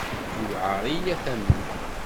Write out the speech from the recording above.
Yuɛer-iyi ad t-amneɣ.